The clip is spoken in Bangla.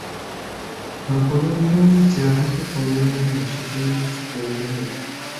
অপরেরও যাহাতে কল্যাণ হয়, সেজন্য কিছু করিতে হইবে।